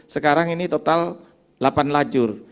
sekarang ini total delapan lacur